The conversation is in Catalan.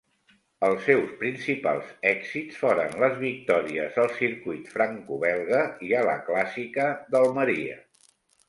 Els seus principals èxits foren les victòries al Circuit Franco-Belga i a la Clàssica d'Almeria.